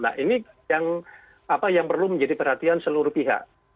nah ini yang perlu menjadi perhatian seluruh pihak